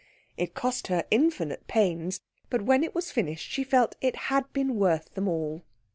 It cost her infinite pains, but when it was finished she felt that it had been worth them all.